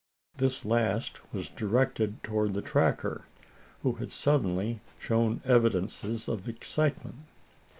This last was directed toward the tracker, who had suddenly shown evidences of excitement.